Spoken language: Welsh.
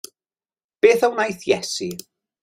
Beth a wnaeth Iesu?